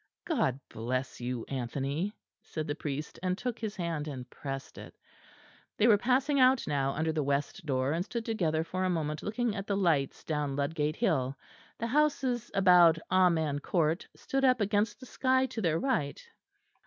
"God bless you, Anthony," said the priest; and took his hand and pressed it. They were passing out now under the west door, and stood together for a moment looking at the lights down Ludgate Hill. The houses about Amen Court stood up against the sky to their right.